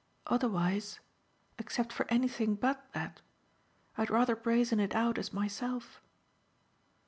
Otherwise except for anything BUT that I'd rather brazen it out as myself."